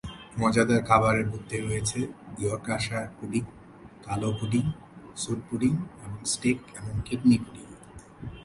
মজাদার খাবারের মধ্যে রয়েছে ইয়র্কশায়ার পুডিং, কালো পুডিং, স্যুট পুডিং এবং স্টেক এবং কিডনি পুডিং।